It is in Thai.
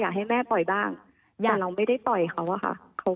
ให้แม่ปล่อยบ้างแต่เราไม่ได้ต่อยเขาอะค่ะ